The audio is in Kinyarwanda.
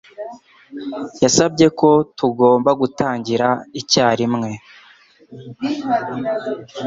Yasabye ko tugomba gutangira icyarimwe.